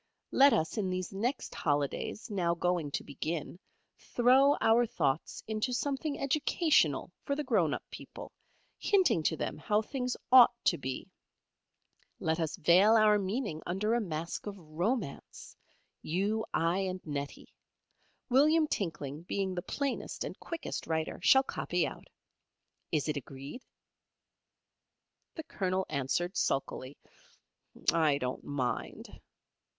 Let us in these next Holidays, now going to begin, throw our thoughts into something educational for the grown up people, hinting to them how things ought to be. Let us veil our meaning under a mask of romance;[A] you, I, and Nettie. William Tinkling being the plainest and quickest writer, shall copy out. Is it agreed?" The Colonel answered, sulkily, "I don't mind."